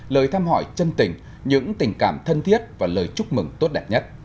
lời thăm hỏi chân tình những tình cảm thân thiết và lời chúc mừng tốt đẹp nhất